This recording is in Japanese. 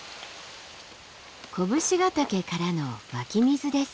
甲武信ヶ岳からの湧き水です。